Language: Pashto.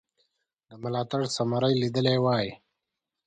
د ملاتړ ثمره یې لیدلې وای.